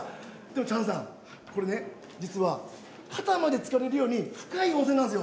チャンさん、これ実は肩までつかれるよう深い温泉なんですよ。